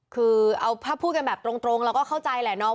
คือเอาถ้าพูดกันแบบตรงเราก็เข้าใจแหละเนาะ